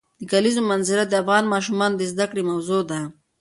د کلیزو منظره د افغان ماشومانو د زده کړې موضوع ده.